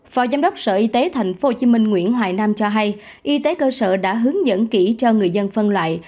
phó giám đốc sở y tế tp hcm nguyễn hoài nam cho hay y tế cơ sở đã hướng dẫn kỹ cho người dân phân loại